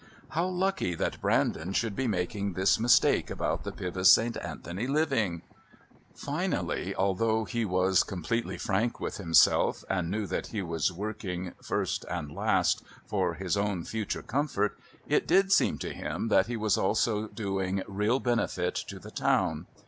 How lucky that Brandon should be making this mistake about the Pybus St. Anthony living! Finally, although he was completely frank with himself and knew that he was working, first and last, for his own future comfort, it did seem to him that he was also doing real benefit to the town.